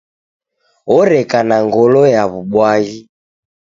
Oreka na ngolo ya w'ubwaghi.